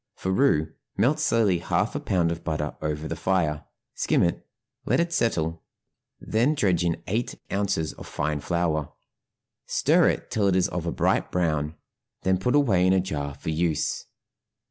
For roux melt slowly half a pound of butter over the fire, skim it, let it settle, then dredge in eight ounces of fine flour, stir it till it is of a bright brown, then put away in a jar for use.